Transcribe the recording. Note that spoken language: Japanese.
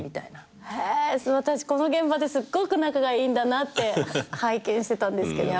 へぇ私この現場ですっごく仲がいいんだなって拝見してたんですけど。